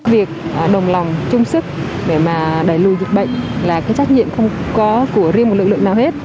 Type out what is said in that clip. việc đồng lòng chung sức để mà đẩy lùi dịch bệnh là cái trách nhiệm không có của riêng một lực lượng nào hết